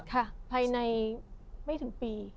ภายในไม่ถึงปี